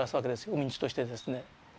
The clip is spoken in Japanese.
海人としてですね。